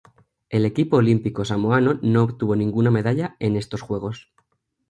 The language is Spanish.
El equipo olímpico samoano no obtuvo ninguna medalla en estos Juegos.